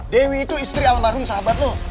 dewi itu istri almarhum sahabat loh